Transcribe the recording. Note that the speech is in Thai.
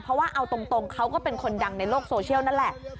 เพราะว่าเอาตรงเขาก็เป็นคนดังในโลกโซเชียลนั่นแหละ